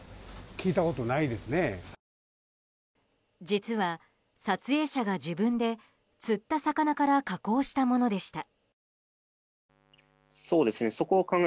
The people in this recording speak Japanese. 実は撮影者が自分で釣った魚から加工したものでした。